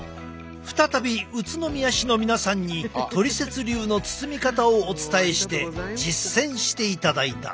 再び宇都宮市の皆さんにトリセツ流の包み方をお伝えして実践していただいた。